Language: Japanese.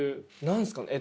何すか。